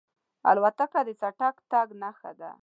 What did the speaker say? الوتکه د چټک تګ نښه ده.